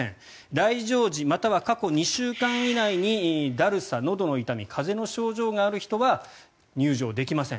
来場時または過去２週間以内にだるさ、のどの痛み風邪の症状がある人は入場できません。